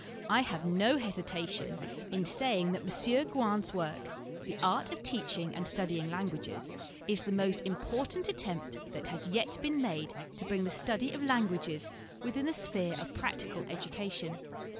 I have no hesitation in saying that M. Gouin's work (The Art of Teach ing and Studying Languages) l is the most important attempt that has yet been made to bring the study of languages within the sphere of practical edu cation.